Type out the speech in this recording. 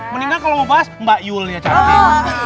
mendingan kalau mau bahas mbak yulnya cantik